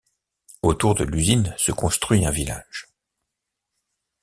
Autour de l'usine se construit un village.